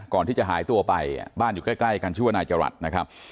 ก่อนที่จะหายตัวไปบ้านอยู่ใกล้กันชื่อว่านายจรัสนะครับ